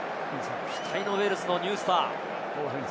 期待のウェールズのニュースター。